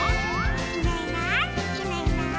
「いないいないいないいない」